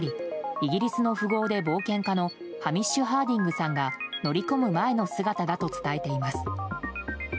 イギリスの富豪で冒険家のハミッシュ・ハーディングさんが乗り込む前の姿だと伝えています。